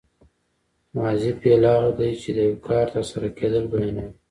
ماضي فعل هغه دی چې د یو کار تر سره کېدل بیانوي.